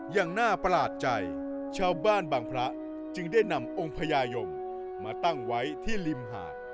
อย่างน่าประหลาดใจชาวบ้านบางพระจึงได้นำองค์พญายมมาตั้งไว้ที่ริมหาด